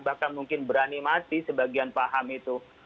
bahkan mungkin berani mati sebagian paham itu